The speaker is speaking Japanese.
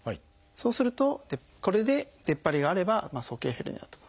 そうするとこれで出っ張りがあれば鼠径ヘルニアと。